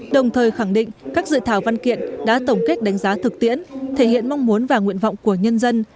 đồng thời khẳng định các dự thảo văn kiện đã tổng kết đánh giá thực tiễn thể hiện mong muốn và nguyện vọng của nhân dân